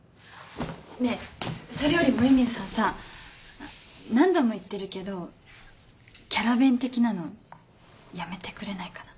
ねぇそれより森宮さんさぁ何度も言ってるけどキャラ弁的なのやめてくれないかな。